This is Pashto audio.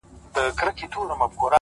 اې ه سترگو کي کينه را وړم;